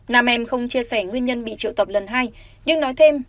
nam em không chia sẻ nguyên nhân bị triệu tập lần hai nhưng nói thêm